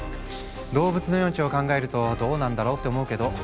動物の命を考えるとどうなんだろうって思うけど。